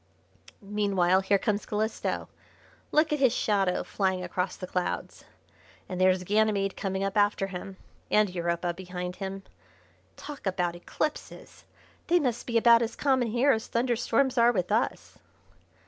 "Meanwhile, here comes Calisto. Look at his shadow flying across the clouds. And there's Ganymede coming up after him, and Europa behind him. Talk about eclipses! they must be about as common here as thunderstorms are with us."